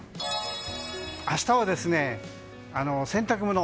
明日は、洗濯物。